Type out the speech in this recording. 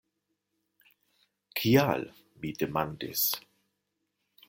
Kial? mi demandis.